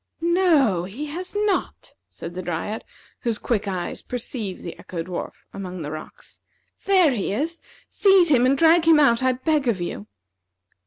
"No he has not," said the Dryad, whose quick eyes perceived the Echo dwarf among the rocks. "There he is. Seize him and drag him out, I beg of you."